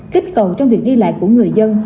kích cầu trong việc đi lại của người dân